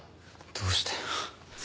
どうして。